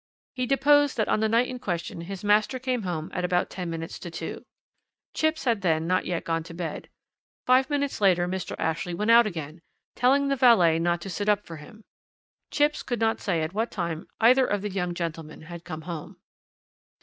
"He deposed that on the night in question his master came home at about ten minutes to two. Chipps had then not yet gone to bed. Five minutes later Mr. Ashley went out again, telling the valet not to sit up for him. Chipps could not say at what time either of the young gentlemen had come home.